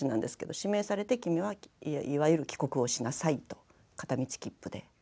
指名されて君はいわゆる帰国をしなさいと片道切符で。